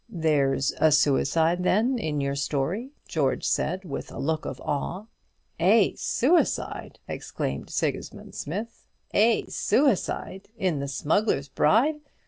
"There's a suicide, then, in your story?" George said, with a look of awe. "A suicide!" exclaimed Sigismund Smith; "a suicide in the 'Smuggler's Bride!'